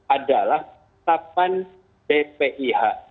adalah tahapan bpih